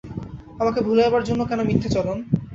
আমাকে ভুলাইবার জন্য কেন মিথ্যাচরণ।